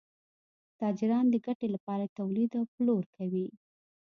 تاجران د ګټې لپاره تولید او پلور کوي.